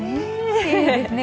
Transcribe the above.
きれいですね。